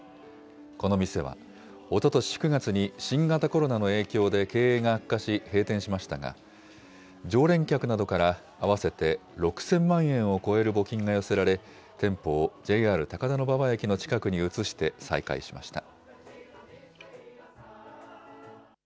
この店は、おととし９月に新型コロナの影響で経営が悪化し、閉店しましたが、常連客などから合わせて６０００万円を超える募金が寄せられ、店舗をＪＲ高田馬場駅の近くに移して、再開しました。